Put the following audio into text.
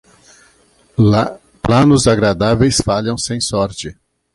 Planos agradáveis falham sem sorte.